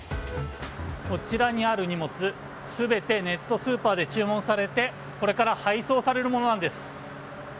こちらにある荷物全てネットスーパーで注文されてこれから配送されるものなんです。